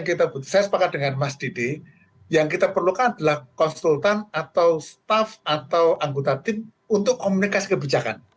saya sepakat dengan mas didi yang kita perlukan adalah konsultan atau staff atau anggota tim untuk komunikasi kebijakan